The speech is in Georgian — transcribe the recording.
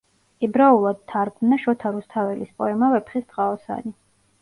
ებრაულად თარგმნა შოთა რუსთაველის პოემა „ვეფხისტყაოსანი“.